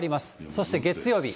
そして月曜日。